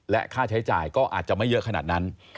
ค่าใช้จ่ายก็อาจจะไม่เยอะขนาดนั้น